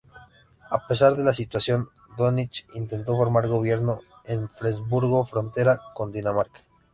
A pesar de la situación, Dönitz intentó formar gobierno en Flensburgo, frontera con Dinamarca.